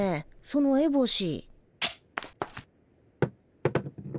そのエボシ。